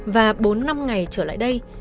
và bốn năm ngày trở lại đây